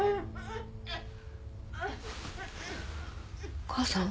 お義母さん？